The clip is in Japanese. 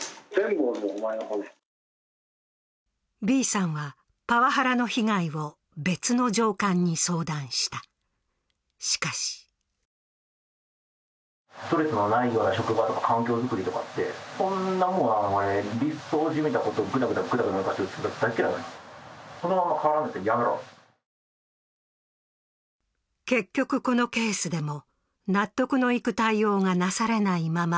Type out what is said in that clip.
Ｂさんはパワハラの被害を別の上官に相談した、しかしこのケースでも、納得のいく対応がなされないまま、